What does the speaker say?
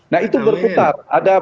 nah itu berputar